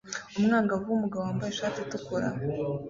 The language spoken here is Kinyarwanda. Umwangavu wumugabo wambaye ishati itukura